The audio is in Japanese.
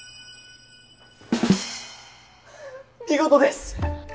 見事です！